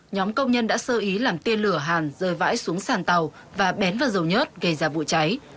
nhóm công nhân đã sơ ý làm tiên lửa hàn rơi vãi xuống sàn tàu và bén vào dầu nhớt gây ra vụ cháy